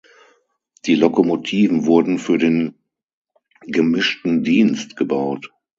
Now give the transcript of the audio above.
Die Lokomotiven wurden für den gemischten Dienst gebaut.